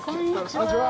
こんにちは。